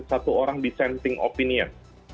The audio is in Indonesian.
satu orang dissenting opinion